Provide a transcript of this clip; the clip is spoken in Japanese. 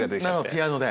ピアノで。